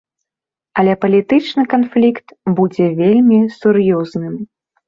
Але палітычны канфлікт будзе вельмі сур'ёзным.